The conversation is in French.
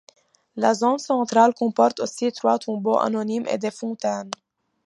La zone centrale comporte aussi trois tombeaux anonymes et des fontaines.